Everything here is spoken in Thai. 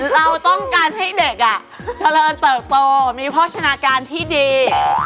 เราต้องการให้เด็กอ่ะเจอโตมีภาวะชนาการที่ดี